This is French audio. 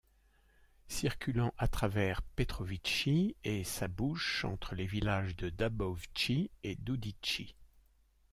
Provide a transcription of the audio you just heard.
Circulant à travers Petrovići, et sa bouche entre les villages de Dabovci et Dudići.